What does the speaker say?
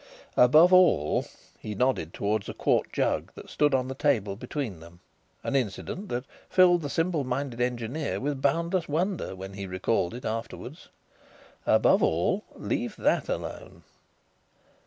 Above all" he nodded towards a quart jug that stood on the table between them, an incident that filled the simple minded engineer with boundless wonder when he recalled it afterwards "above all, leave that alone."